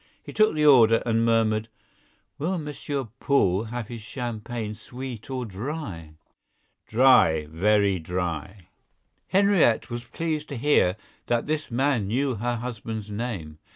He took the order and murmured: "Will Monsieur Paul have his champagne sweet or dry?" "Dry, very dry." Henriette was pleased to hear that this man knew her husband's name.